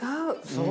そう。